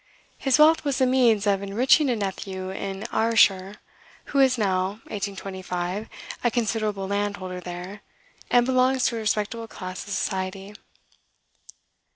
"His wealth was the means of enriching a nephew in Ayrshire, who is now (1825) a considerable landholder there, and belongs to a respectable class of society."